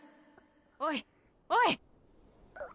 おいおい！